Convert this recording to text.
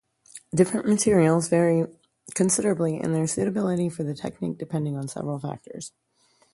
Different materials vary considerably in their suitability for the technique, depending on several factors.